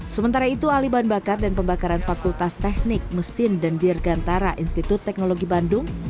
sementara itu aliban bakar dan pembakaran fakultas teknik mesin dan dirgantara institut teknologi bandung